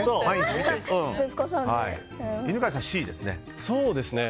犬飼さん、Ｃですね。